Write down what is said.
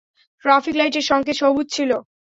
Traffic লাইটের সংকেত সবুজ ছিলো।